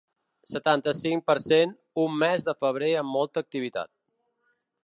Setanta-cinc per cent Un mes de febrer amb molta activitat.